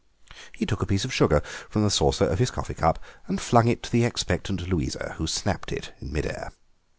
He took a piece of sugar from the saucer of his coffee cup and flung it to the expectant Louisa, who snapped it in mid air.